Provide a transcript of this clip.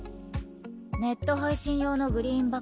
ネット配信用のグリーンバック。